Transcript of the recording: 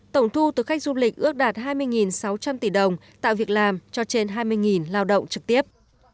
tổng thu từ khách du lịch ước đạt hai mươi sáu trăm linh tỷ đồng tạo việc làm cho trên hai mươi lao động trực tiếp